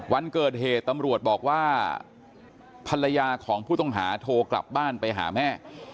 วันเกิดเหตุตำรวจบอกว่าภรรยาของผู้ต้องหาโทรกลับบ้านไปหาแม่